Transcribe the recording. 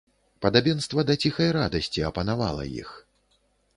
Падабенства да ціхай радасці апанавала іх.